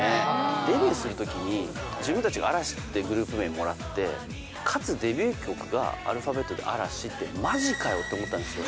デビューするときに、自分たちが嵐っていうグループもらって、かつデビュー曲がアルファベットでＡ・ＲＡ・ＳＨＩって、マジかよって思ったんですよ。